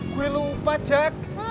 gue lupa jack